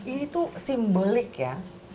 ini tuh simbolik ya